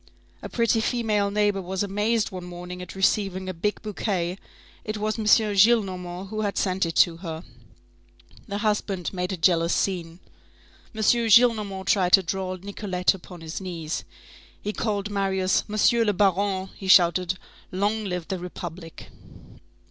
A pretty female neighbor was amazed one morning at receiving a big bouquet; it was M. Gillenormand who had sent it to her. The husband made a jealous scene. M. Gillenormand tried to draw Nicolette upon his knees. He called Marius, "M. le Baron." He shouted: "Long live the Republic!"